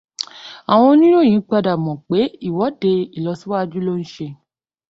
Àwọn oníròyìn padà mọ̀ pé ìwọ́de ilọ̀síwájú lọ́ ń ṣe.